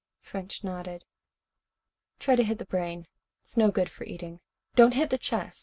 French nodded. "Try to hit the brain. It's no good for eating. Don't hit the chest.